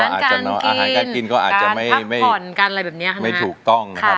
อาหารการกินก็อาจจะไม่ถูกต้องนะครับ